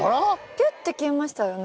ぴゅって消えましたよね。